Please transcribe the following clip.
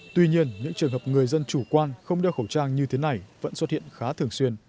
tuy nhiên những trường hợp người dân chủ quan không đeo khẩu trang như thế này vẫn xuất hiện khá thường xuyên